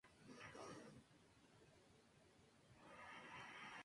Defensivamente, Quiroz es muy hábil.